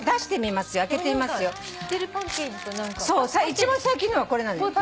一番最近のはこれなのよ。